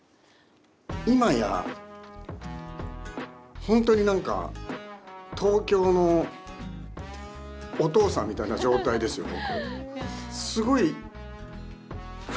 今や本当になんか、東京のお父さんみたいな状態ですよ、僕。